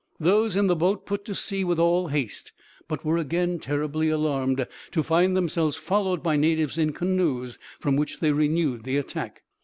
Those in the boat put to sea with all haste, but were again terribly alarmed to find themselves followed by natives in canoes from which they renewed the attack.